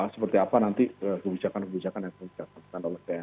seperti apa nanti kebijakan kebijakan yang dilakukan oleh tni